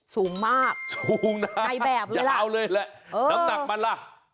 สูงมากใกล้แบบเลยล่ะยาวเลยแหละน้ำหนักมันล่ะ